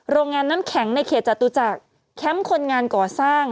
โรงงานน้ำแข็งในเขตจตุจักรแคมป์คนงานก่อสร้าง